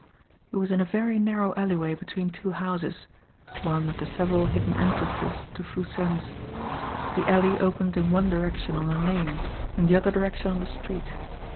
He was in a very narrow alleyway between two houses one of the several hidden entrances to Foo Sen's. The alley opened in one direction on a lane, in the other direction on the street.